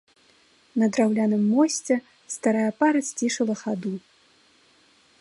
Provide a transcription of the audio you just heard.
На драўляным мосце старая пара сцішыла хаду.